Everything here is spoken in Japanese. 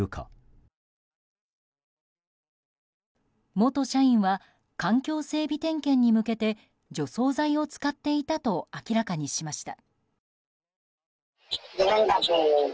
元社員は環境整備点検に向けて除草剤を使っていたと明らかにしました。